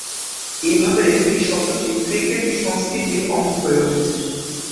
এইভাবে এই শব্দটি ক্রিকেট সংস্কৃতির অঙ্গ হয়ে উঠেছে।